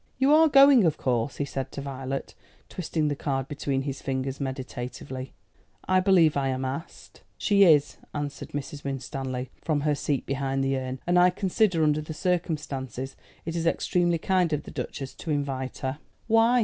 "You are going, of course," he said to Violet, twisting the card between his fingers meditatively. "I believe I am asked." "She is," answered Mrs. Winstanley, from her seat behind the urn; "and I consider, under the circumstances, it is extremely kind of the Duchess to invite her." "Why?"